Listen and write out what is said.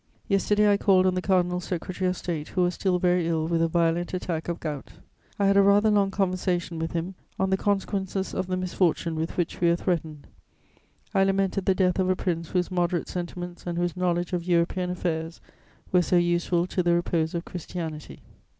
"Yesterday I called on the Cardinal Secretary of State, who was still very ill with a violent attack of gout; I had a rather long conversation with him on the consequences of the misfortune with which we were threatened. I lamented the death of a Prince whose moderate sentiments and whose knowledge of European affairs were so useful to the repose of Christianity.